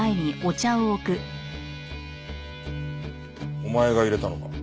お前が淹れたのか？